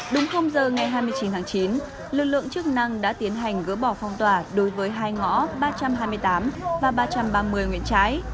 đúng giờ ngày hai mươi chín tháng chín lực lượng chức năng đã tiến hành gỡ bỏ phong tỏa đối với hai ngõ ba trăm hai mươi tám và ba trăm ba mươi nguyễn trái